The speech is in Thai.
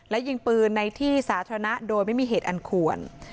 และยิงปืนในที่สาธารณะโดยไม่มีเหตุอันควร